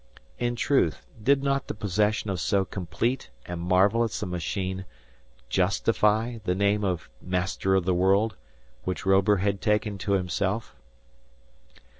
In truth, did not the possession of so complete and marvelous a machine justify the name of Master of the World, which Robur had taken to himself?